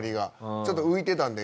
ちょっと浮いてたんで。